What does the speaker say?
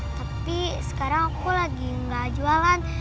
tapi sekarang aku lagi gak jualan